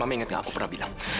mama ingat nggak aku pernah bilang